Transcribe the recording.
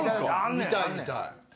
見たい見たい。